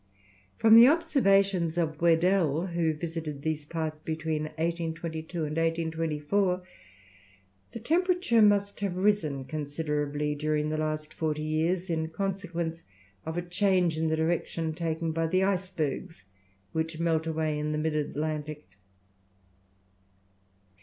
From the observations of Weddell, who visited these parts between 1822 and 1824, the temperature must have risen considerably during the last forty years in consequence of a change in the direction taken by the icebergs which melt away in the mid Atlantic.